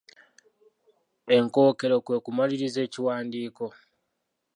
Enkookero kwe kumaliriza ekiwandiiko.